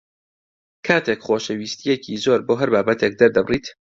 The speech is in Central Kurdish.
کاتێک خۆشەویستییەکی زۆر بۆ هەر بابەتێک دەردەبڕیت